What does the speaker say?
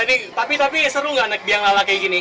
tapi tapi seru gak naik biang lala kayak gini